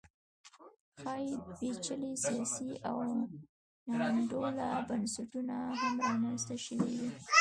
ښايي پېچلي سیاسي او ناانډوله بنسټونه هم رامنځته شوي وي